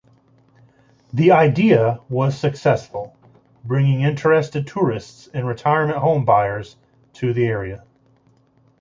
The idea was successful, bringing interested tourists and retirement home buyers to the area.